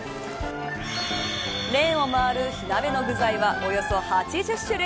レーンを回る火鍋の具材はおよそ８０種類。